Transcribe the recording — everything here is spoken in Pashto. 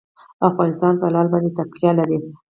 افغانستان په لعل باندې تکیه لري.